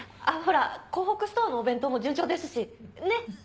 あっほら港北ストアのお弁当も順調ですしねっ。